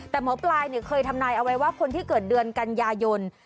แต่หมอปลายเคยทำนายเอาไว้ว่าคนที่เกิดเดือนกันยายน